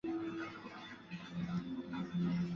节目所涉及的并不仅限于军事。